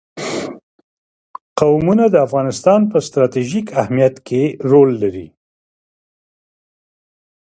قومونه د افغانستان په ستراتیژیک اهمیت کې رول لري.